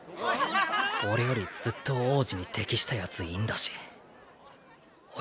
俺よりずっと王子に適したヤツいんだしん？